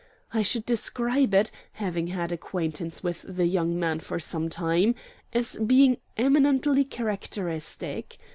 I should describe it, having had acquaintance with the young man for some time, as being eminently characteristic.